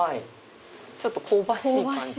ちょっと香ばしい感じ。